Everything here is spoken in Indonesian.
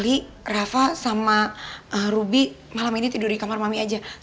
ri rafa sama ruby malam ini tidur di kamar mami aja